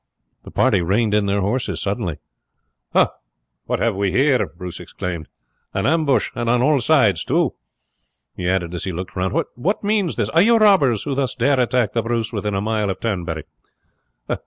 The party reined in their horses suddenly. "Hah! what have we here?" Bruce exclaimed. "An ambush and on all sides too!" he added as he looked round. "What means this? Are you robbers who thus dare attack the Bruce within a mile of Turnberry?